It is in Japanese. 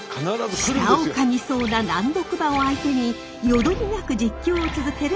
舌を噛みそうな難読馬を相手によどみなく実況を続ける百瀬アナ。